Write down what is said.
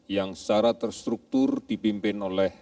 yang secara terstruktur dipimpin oleh